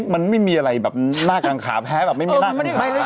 มันไม่มีอะไรแบบหน้ากลางขาแพ้ไม่มีอะไร